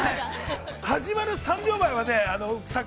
◆始まる３秒前はね。